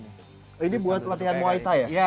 ini buat latihan muay thai ya